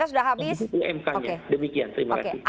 maksudnya umk nya demikian terima kasih